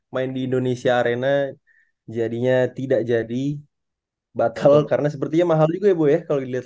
main di indonesia arena jadinya tidak jadi batal karena sepertinya mahal juga ya bu ya kalau dilihat